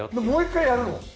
もう一回やるの？